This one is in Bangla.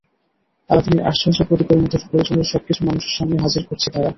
আলাদীনের আশ্চর্য প্রদীপের মতো প্রয়োজনের সবকিছু মানুষের সামনে হাজির করছে তারা।